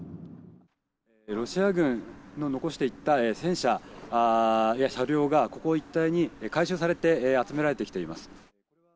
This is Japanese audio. ロシア軍の残していった戦車や車両がここ一帯に回収されて集められてきています。